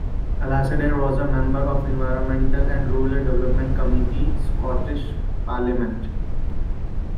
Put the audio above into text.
Alasdair was a member of the Environment and Rural Development Committee Scottish Parliament.